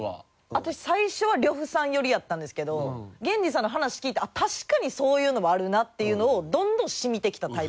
私最初は呂布さん寄りやったんですけど原人さんの話聞いて「確かにそういうのもあるな」っていうのをどんどん染みてきたタイプかも。